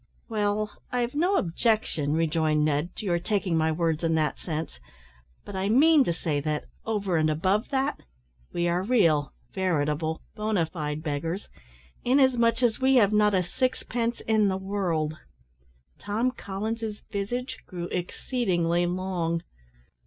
"Well, I've no objection," rejoined Ned, "to your taking my words in that sense; but I mean to say that, over and above that, we are real, veritable, bona fide beggars, inasmuch as we have not a sixpence in the world." Tom Collins's visage grew exceedingly long.